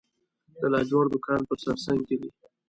د لاجورد کان په سرسنګ کې دی